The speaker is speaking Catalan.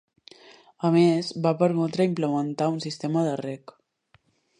A més, va permetre implementar un sistema de rec.